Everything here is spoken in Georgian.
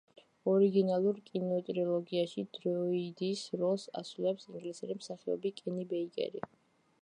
ორიგინალურ კინოტრილოგიაში დროიდის როლს ასრულებს ინგლისელი მსახიობი კენი ბეიკერი.